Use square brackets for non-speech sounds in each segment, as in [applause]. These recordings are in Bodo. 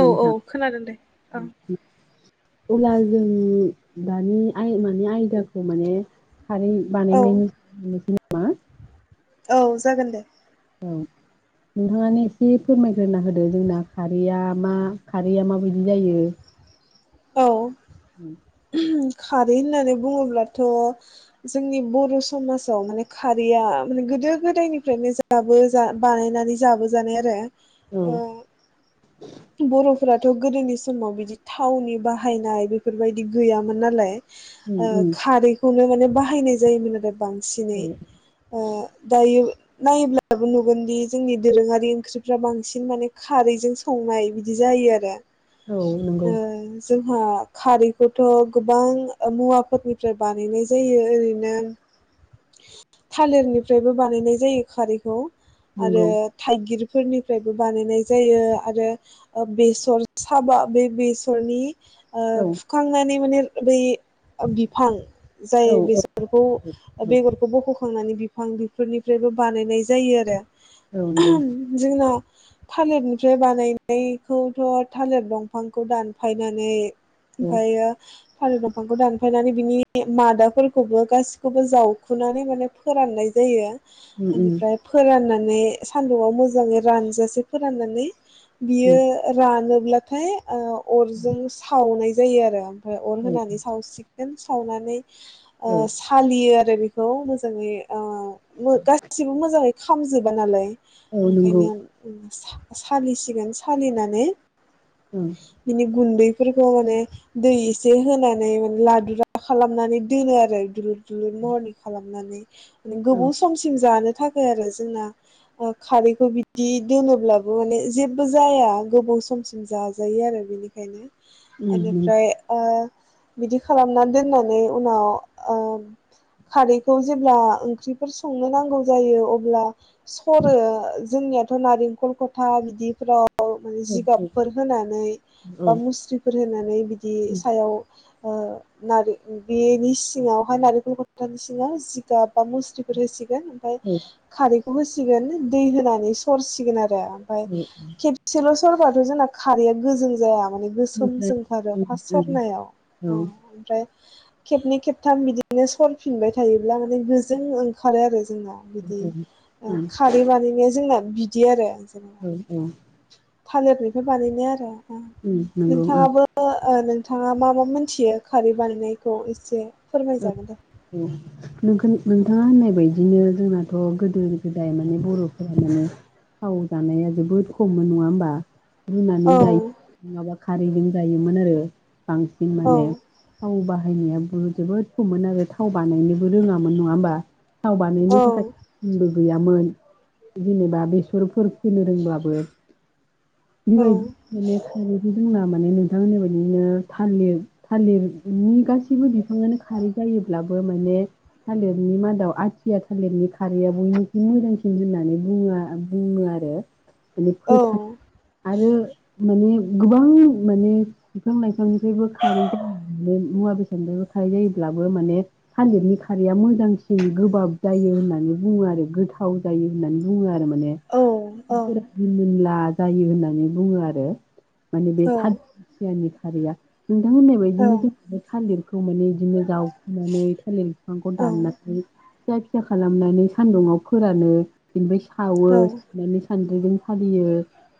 औ नोंथां खोनादों दे ओं [unintelligible] अब्ला जों दानि आइ मानि आयदाखौ माने खारै औ बानायनायनि [inaudible] मा औ जागोन दे औ नोंथाङानो एसे फोरमायग्रोना होदो जोंना खारैया मा खारैया माबायदि जायो? औ। उम खारै होननानै बुङोब्लाथ जोंनि बर समाजाव माने खारैया माने गोदो गोदायनिफ्रायनो जाबो जा बानायनानै जाबोजानाय आरो औ अ बर फोराथ गोदोनि समाव बिदि थावनि बाहायनाय बेफोरबायदि गैयामोन नालाय ओ उम उम खारैखौनो माने बाहायनाय जायोमोन आरो बांसिनै औ ओ दायो नायोब्लाबो नुगोनदि जोंनि दोरोङारि ओंख्रिफ्रा बांसिन माने खारैजों संनाय बिदि जायो आरो औ नंगौ ओ जोंहा खारैखौथ गोबां मुवाफोरनिफ्राय बानायनाय जायो ओरैनो थालिरनिफ्रायबो बानायनाय जायो खारैखौ। आरो नंगौ थाइगिर फोरनिफ्रायबो बानायनाय जायो आरो ओ बेसर साबा बे बेसरनि ओ औ फुखांनानै माने बे ओ बिफां जाय औ औ बेसरफोरखौ बेगरखौ बख' फुखांनानै बिफां बिफोरनिफ्रायबो बानायनाय जायो आरो। औ नंगौ। जोंनाव थालिरनिफ्राय बानायनायखौथ' थालिर दंफांखौ दानफाय माने औ ओमफायो थालिर दफांखौ दानफायनानै बिनि मादाफोरखौबो गासिखौबो जावखुनानै माने फोराननाय जायो। उम उम बेनिफ्राय फोरानना ने सानदुंआव मोजाङै रानजासे फोराननानै बियो उम रानो। लाथाय ओ अरज जों सावनाय जायो आरो। ओ अर औ होनानै सावसि गोन सावनानै औ ओ सालियो बेनिखौ मोजाङै ओ मो गासिबो मोजाङै खामजोबा नालाय औ नंगौ ओंखायनो उम सा सालिसिगोन सालिनानै उम। बिनि गुन्दैफोरखौ माने दै एसे होनानै माने लादुरा खालामनानै दोनो आरो बिनिनो। दुलुर महरनि खालामनानै [unintelligible] औ गोबाव समसिम जानो थाखाय आरो जोंना ओ खारैखौ बिदि दोनोब्लाबो माने जेबो जाया गोबाव समसिम जाजायो आरो बिनिख खायनो उम नंगौ एनिफ्राय ओ बिदि खालामनानै दोननानै उनाव ओ खारैखौ जेब्ला ओंख्रिफोर संनो नांगौ जायो अब्ला सरो जोंनियाथ' नारेंखल खथा बिदिफ्राव आव माने जिगाबफोर होनानै औ औ बा मुस्रिफोर होनानै बिदि उम सायाव ओ नारि बेनि सिङावहाय नारेंखल खथानि सिङाव जिगाब बा मुस्रिफोर होसि गोन ओमफ्राय औ खारि होसिगोन दै होनानै सरसिगोन आ ओ ओमफाय औ खेबसेल होबाथ जोंना खारैया गोजों जाया माने ओमफ्राय गोसोमसो ओंखारो उम फास उम सरनायाव औ अ ओमफ्राय खेबनै खेबथाम बिदिनो सरफिनबाय थायोब्ला माने गोजों ओंखारो आरो जोंना बिदि औ ओ ओं खारै बानायनाया जोंना बिदि आरो औ [unintelligible] थालिरनिफ्राय बानायनाय आरो ना उम नंगौ ओं नोंथाङाबो ओ नों थाङा मा मा मोनथियो खारै बानायनायखौ एसे फोरमायजागोन दे [unintelligible] नोंखोन नोंथाङा होननाय बायदिनो जोंनाथ गोदो [unintelligible] जानाया जोबोद खममोन नङा होमबा? रुनानै औ जायो नङाबा खारैजों जायोमोन आरो औ [unintelligible] हायनाया बो जोबोद खममोन आरो थाव बानायनोबो रोङामोन नङा होमबा? थाव बानायनो औ थाखाय बुंदों गैयामोन जेनेबा बेसरफोर फोनो रोंब्लाबो औ [unintelligible] माने नोंथां होन्नाय बादिनो थालिर थालिरनि गासैबो बिफाङानो खारै जायोब्लाबो माने थालिरनि मादाव आथिया थालिरनि खारैया बयनिख्रुइ मोजांसिन होननानै बुङो बुङो आरो माने औ फोथाय आरो माने गोबां माने बिफां लाइफांनिफ्रायबो खारै जायो माने मुवा बेसादनिफ्रायबो खारै जायो ब्लाबो माने थालिरनि खारैया मोजांसिन गोबाब जायो होननानै बुङो आरो गोथाव जायो होननानै बुङो आरो मा ने औ रिमोनदला जायो होननानै बुङो आरो माने बे [unintelligible] खारैया नोंथां होननाय बायदिनो जोंहा बे थालिरखौ माने इदिनो जावखुनानै थालिर फिफांखौ दाननानै फिसा फिसा खालामनानै सान्दुुंआव फोरानो बेनिफ्राय सावो सावनानै सान्द्रिजों सालियो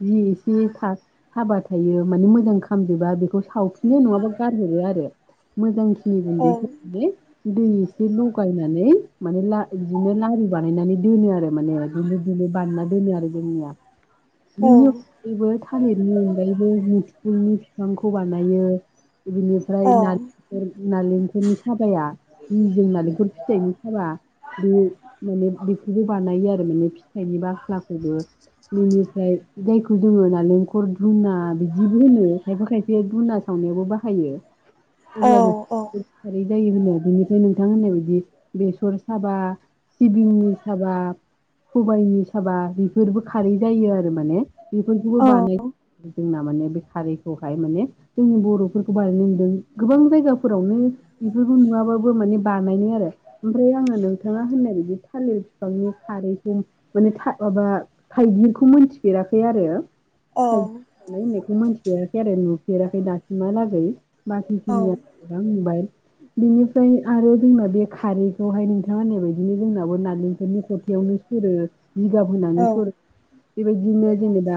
जि एसे था हाबा थायो माने मोजां खामजोबा बे खौ सावफिनो नङाबा गारहरो आरो मोजांखिनि औ गुन्दै [unintelligible] दै एसे लगायनानै माने ला इदिनो लारु बानायनानै दोनो आरो। माने दुलुर-दुलुर बानायना दोनो आरो जोंनिया बेनि औ अनगायैबो थालिरनि अनगायैबो मैथुनि बिफांखौ बानायो औ बिनिफ्राय नालिं खर नालिं बेनि साबाया जि जों नालेंखर फिथाइनि साबा बे माने बेखौबो बानायो आरो माने फिथाइनि बाख्लाखौबो बेनिफ्राय जायखौ जोङो नालेंखर धुना बिदिबो होनो खायफा खायफाया धुना सावनायावबो बाहायो। औ अब्लाबो औ खारै जायो होनो बिनिफ्राय नोंथां होननाय बायदि बेसर साबा सिबिंनि साबा सबायनि साबा बेफोरबो खारै जायो आरो माने बेफोरखौबो औ बानाय जोंना माने बे खारै खौहाय माने जोंनि बर'फोरखौ बानायनाय नुदों गोबां जायगा फ्रावनो बेफोरखौ नुवाबाबो माने बानायनो आरो ओमफ्राय आङो नोंथाङा होननाय बे थालिर बिफांनि खारैखौ माने था माबा थाइगिरखौ मोनथिफेराखै आरो औ होननायखौ मिथिफेराखै आरो नु फेराखै दासिमहालागै बाखिखिनिया बुंबाय बिनिफ्राय आरो जोंना बे खारैखौहाय नोंथाङा होननायबायदिनो जोंनाबो नालेंखरनि खथायावनो सुरो जिगाब होनानै सर बेबायदिनो जेनेबा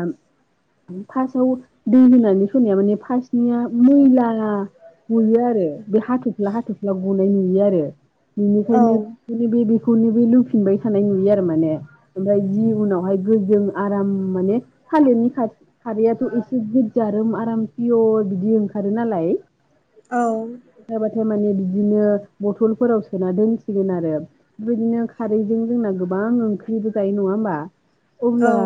फार्स्टआव दै होनानै सरनाया माने फार्स्टनिया मैला गयो आरो। आरो। बे हाथुफ्ला हाथुफ्ला गनाय नुयो आरो औ बेनिखायनोे बेनि बे खौनो बे लुफिनबाय थानाय नुयो आरो माने ओमफ्राय जि उनावहाय गोजों आराम माने थालिरनि खा खारैयाथ' एसे गोदजारोम आराम पियर बिदि ओंखारो नालाय। औ जाबाथाय माने बिदिनो बथलफोराव सोना दोनसिगोन आरो बेबायदिनो खारैजों जोंना गोबां ओंख्रिबो जायो नङा होमबा? औ अब्ला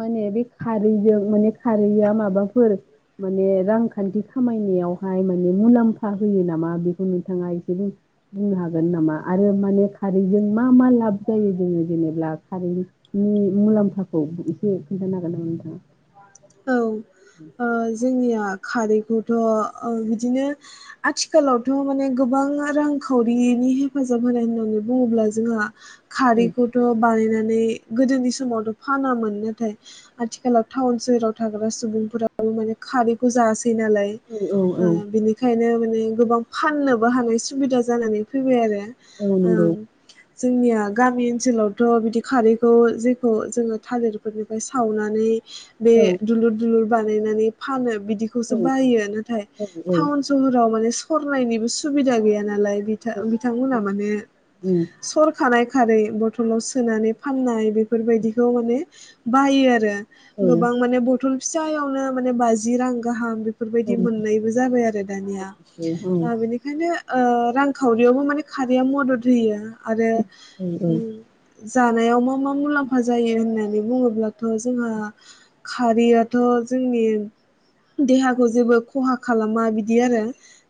माने बे खारैजों माने खारैया माबाफोर माने रांखान्थि खामायनायावहाय माने मुलाम्फा मुलामफा होयो नामा बेखौ नोंथाङा एसे बुं बुंनो हागोन नामा आरो माने खारैजों मा मा लाब जायो जोङो जेनेब्ला खारैनि मुलाम्फाखौ एसे खोन्थानो हागोन नामा नोंथाङा? औ ओ जोंनिया खारैखौथ' ओ बिदिनो आथिखालावथ माने गोबां रांखावरिनि हेफाजाब होनाय होननानै बुङोब्ला जोंहा खारिखौथ' बानायनानै बे गोदोनि समावथ फानामोन नाथाय आथिलाव थउनाव सोहोराव थाग्रा सुबुंफोराबो माने खारैखौ जासै। नालाय औ औ औ बिनिखायनो माने। माने गोबां फाननोबो हानाय सुबिदा जानानै फैबाय आरो। औ नंगौ ओं। जोंनिया गामि ओनसोलावथ बिदि खारैखौ जेखौ जोङो थालिरफोरनिफ्राय सावनानै। बे। औ दुलुर दुलुर बानायनानै फानो। बिदिखौसो औ बायो नाथाय औ औ टाउन सहराव माने। सरनायनिबो सुबिदा गैया नालाय। बिथांमोना माने उम सरखानाय। खारै बथलाव सोनानै फाननाय बे। बेफोरबायदिखौ माने। बायो आरो। औ गोबां माने ब। बथल फिसायावनो माने बाजि रां गाहाम। बेफोरबायदि मोननायबो जाबाय आरो दानिया औ औ बेनिखायनो। ओ रांखावरियावबो माने खारैया मदद होयो। आरो औ उम। जानायाव मा मा मुलाम्फा जायो होननानै बुङोब्लाथ जोंहा खारियाथ जोंनि देहाखौ जेबो खहा खालामा बिदि आरो।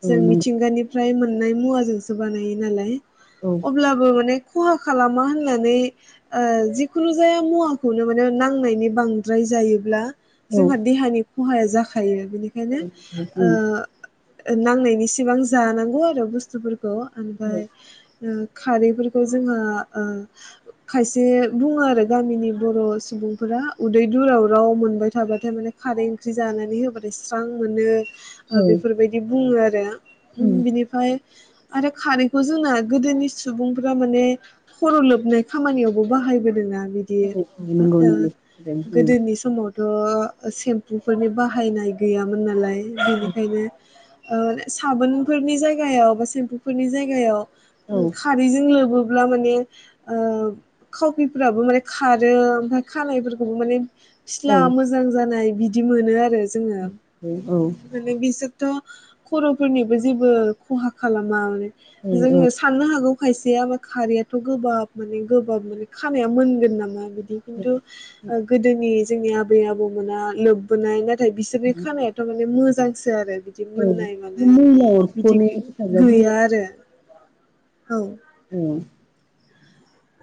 जों नंगौ मिथिंगानि। निफ्राय मोननाय मुवाजोंसो बानायो नालाय। औ अब्लाबो माने खहा खालामा होननानै ओ जिखुनु जाया मुवाखौनो माने नांनायनि बांद्राय जायो ब्ला औ उम औ जोंहा देहानि खहाया जाखायो। बेनिखायनो ओ। नांनायनि सिबां जानांगौ आरो बुस्थुफोरखौ खौ ओमफाय ओ। खारैफोरखौ जोंहा ओ खायसे बुङो आरो गामिनि बर सुबुंफोरा उदैदुराव राव मोनबाय थाबाथाय माने खारै ओंख्रि जानानै होबाथाय स्रां मोनो। बेफोरबायदि बुङो आर [unintelligible] उम बिनिफाय आरो खारैखौ जोंना गोदोनि सुबुंफोरा माने खर' लोबनाय खामानियावबो बाहायबोदोंना बिदि औ नोंगौ नोंगौ [unintelligible] थ' सेम्पुफोरनि बाहायनाय गैयामोन नालाय बेनिखायनो ओ साबोनफोरनि जायगायाव बा सेम्फुफोरनि जायगायाव औ खारैजों लोबो ब्ला माने ओ खावपिफ्राबो माने खारो ओमफ्राय खानायफोरखौबो माने फिस्ला औ मोजां जानाय बिदि मोनो आरो जोङो माने बिसोरथ' खर'फोरनिबो जेबो खहा खालामा आरो जोङो औ औ साननो हागौ खायसेआ खारैयाथ' गोबाब माने गोबाब माने खानाया मोनगोन नामा खिन्थु ओ गोदोनि जोंनि आबै आबौमोना लोब्बोनाय ना थाय बिसोरनि खानायाथ माने मोजा जांसो आरो बिदि मोननाय औ मानाय बिदि मैला अरख'नायाव हेफाजाब होयो गो-गैया आरो औ औ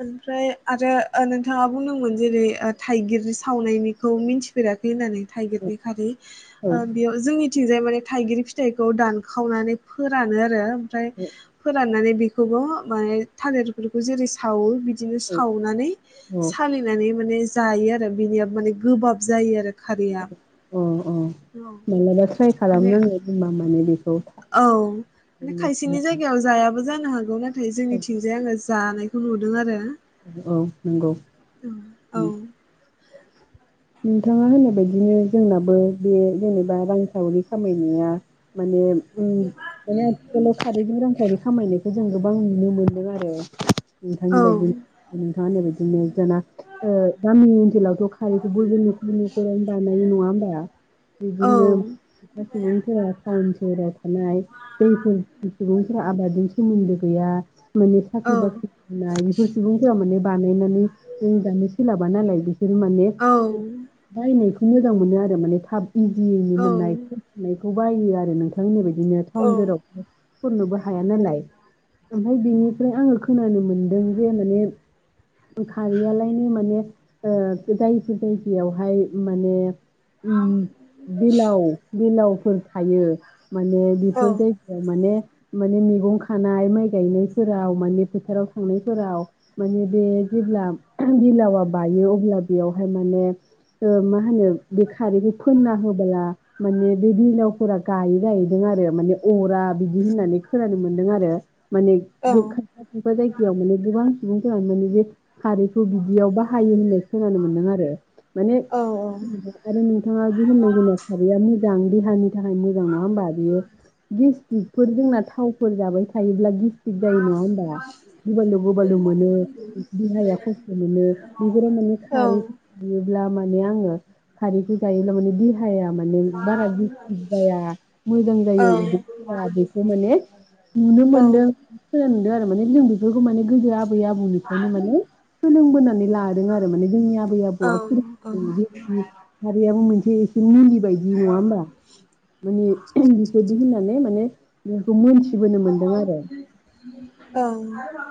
ओमफ्राय आरो ओ नोंथाङा बुंदोंमोन ओ‌ जेरै थाइगिर सावनायनिखौ मिथिफेराखै होननानै थाइगिर नि खारि ओ बेयो जोंनि थिंजाय माने थाइगिर फिथाइखौ दानखावनानै फोरानो आरो फ्राय फोराननानै बि [unintelligible] थालिरफोरखौ जेरै सा खावो बिदि बिब्दिनो सावनानै औ औ सालिनानै माने जायो आरो बिनिया माने गोबाब जायो आरो खारिया अ अ मालाबा त्राय खालामनांगोन होनबा माने बिदि औ माने खायसेनि जायगायाव जायाबो जानो हागौ ना नाथाय औ जोंनिथिंजाय आङो जानाय खौ नुदों आरो औ नंगौ ओम औ नोंथाङा होननाय बायदिनो जोंनाबो बे जेनेबा रांखावरि खामायनाया माने ओम माने बे खारैनि रां खावरिखौ खामायनायखौ जों गोबां नुनो मोनदों आरो नोंथांनि बायदिनो औ नोंथाङा होननाय बायदि बिनो [unintelligible] ओ गामि ओनसोलावथ खारै बयबो नखर नखरावनो बानायो नङा होमबा [inaudible] औ बिदिनो सुबुंफोरा सोहोराव थानाय बैफोर सुबुंफोरा आबादजों सोमोन्दो गैया माने औ साख्रि बाख्रि मोननाय बेफोर सुबुंफोरा माने बानायनानै [inaudible] सोलाबा नालाय बे माने औ [unintelligible] बायनाय मोजां मोनो आरो माने थाब इजियैनो औ मोननाय [unintelligible] बेखौ बायो आरो नोंथां होननाय बायदि बिदिनो टाउन जेराव हाया नालाय ओमफ्राय बेनिफ्राय आङो खो खोनानो मोनदों जे माने खारैयालायनो माने ओ [unintelligible] बेफोर बायदियावहाय माने ओम बिलाव बिलाव फोर थायो माने बेफोर औ जायगायाव माने माने मैगं खानाय माइ गायनायफोराव माने फोथाराव थांनायफोराव माने बे जेब्ला बिलावा बायो अब्ला बेयाव हाय माने ओ मा होनो बे खारैखौ फोनना होबोला माने बे बिलावफोरा गायो जाहैदों आरो माने अरा बिदि होननानै खोनानो मोनदों आरो माने औ [unintelligible] खायफा खायफा जायगायाव माने गोबां सुबुंफोरानो माने बे खारैखौ बिदियाव बाहायो होननाय खोनानो मोन दों आरो माने नोंथांङा जे होनदों जेनेबा खारैया मोजां बे देहानि थाखाय मोजां नङा होमबा बेयो गेसटिकफोर जोंना थावफोर जाबाय थायोब्ला गे टिक जायो नङा होमबा गोबालु गोबालु मोनो देहाया खस्थ मोनो बेफोराव माने औ खारै बियोब्लाब माने आंङो खारै जायोब्ला माने देहा देहाया माने बारा गिसटिक जाया मोजां जायो उदैफोरा बेखौ माने नुनो औ मोनदों खोनानो मोनदों आरो माने जों बेफोरखौ माने गोदो आब आबै आबौनिफ्रायनो माने सोलोंबोनानै लादों आरो माने जोंनि आबै आबौआ औ फोरों [unintelligible] बिनि [unintelligible] बेबायदि नङा ओमबा माने बेफोरदि होननानै माने बेखौ मोनथि बोनो मोनदों आरो औ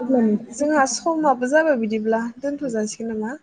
अब्ला नोंथां जोंहा समाबो जाबाय बिदिब्ला दोनथजासिगोन नामा?